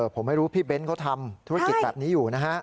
ผมไม่รู้พี่เบ้นเขาทำธุรกิจแบบนี้อยู่นะฮะ